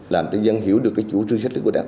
làm cho dân hiểu được chủ trương chính sách của đảng